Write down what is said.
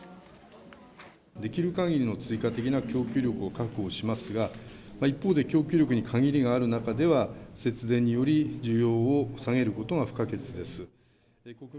できるかぎりの追加的な供給力を確保しますが、一方で、供給力に限りがある中では、節電により需要を下げることが不可欠です。